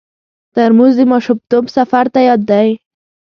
ترموز د ماشومتوب سفر ته یاد دی.